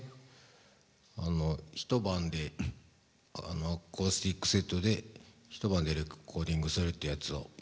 あの一晩でアコースティックセットで一晩でレコーディングするっていうやつを。